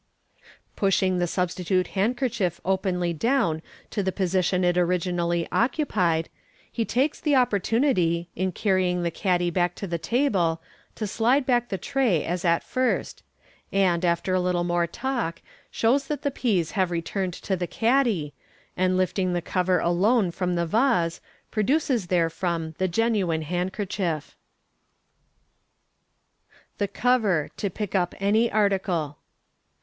Pushing the substitute handkerchief openly down to the position it originally occupied, he takes the oppor» tunity, in carrying the caddy back to the table, to slide back the tray as at first, and, after a little more talk shows that the peas have returned to the caddy, and lifting the cover ai^nn frorr» the vase, pro duces therefrom the genuine handkerchief. The Cover, to fi^a up any Article.